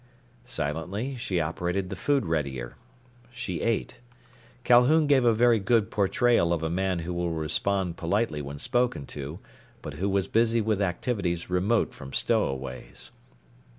Silently, she operated the food readier. She ate. Calhoun gave a very good portrayal of a man who will respond politely when spoken to, but who was busy with activities remote from stowaways.